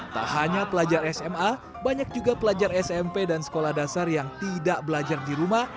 tak hanya pelajar sma banyak juga pelajar smp dan sekolah dasar yang tidak belajar di rumah